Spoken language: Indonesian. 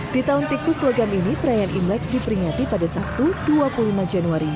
di tahun tikus logam ini perayaan imlek diperingati pada sabtu dua puluh lima januari